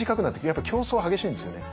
やっぱ競争が激しいんですよね。